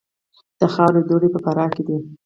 د خاورو دوړې په فراه کې دي